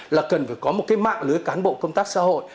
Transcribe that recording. là cần phải có một cái mạng lưới cán bộ công tác xã hội